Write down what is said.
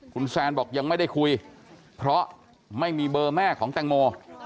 คุณแซนบอกยังไม่ได้คุยเพราะไม่มีเบอร์แม่ของแตงโม